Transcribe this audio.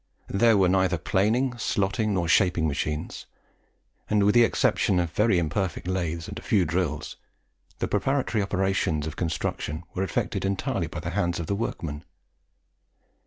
There were neither planing, slotting, nor shaping machines; and, with the exception of very imperfect lathes and a few drills, the preparatory operations of construction were effected entirely by the hands of the workmen.